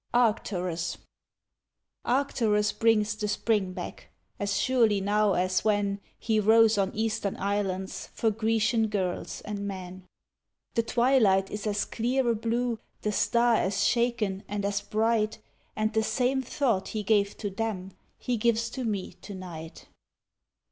Arcturus Arcturus brings the spring back As surely now as when He rose on eastern islands For Grecian girls and men; The twilight is as clear a blue, The star as shaken and as bright, And the same thought he gave to them He gives to me to night.